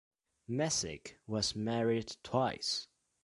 Messick was married twice.